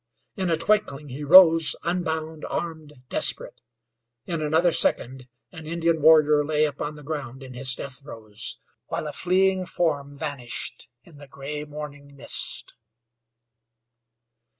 In a tinkling he rose unbound, armed, desperate. In another second an Indian warrior lay upon the ground in his death throes, while a fleeing form vanished in the gray morning mist.